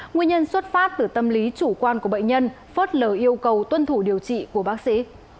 nguyên nhân xuất phát từ tâm lý chủ quan của bệnh nhân phớt lờ yêu cầu tuân thủ điều trị của bác sĩ